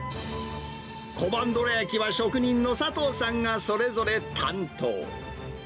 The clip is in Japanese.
小判どらやきは職人の佐藤さんがそれぞれ担当。